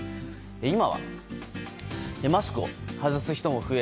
今は、マスクを外す人も増え